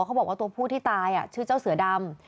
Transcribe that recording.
เขาบอกว่าตัวผู้ที่ตายชื่อเจ้าเสือดำ